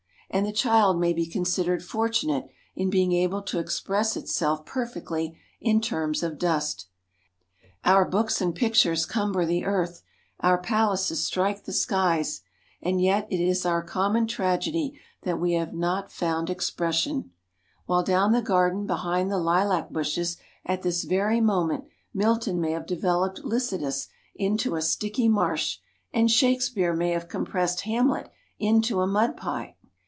And the child may be considered fortunate in being able to express itself perfectly in terms of dust. Our books and pictures cumber the earth, our palaces strike the skies, and yet it is our common tragedy that we have not found expression ; while ON CHILDREN'S GARDENS 173 down the garden behind the lilac bushes at this very moment Milton may have developed Lycidas into a sticky marsh, and Shakespeare may have compressed Hamlet into a mud pie.